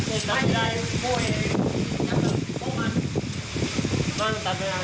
ความแรง